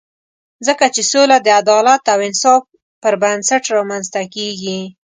ځکه چې سوله د عدالت او انصاف پر بنسټ رامنځته کېږي.